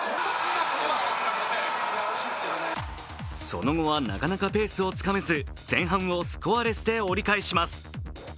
その後はなかなかペースをつかめず、前半をスコアレスで折り返します。